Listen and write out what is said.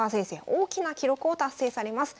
大きな記録を達成されます。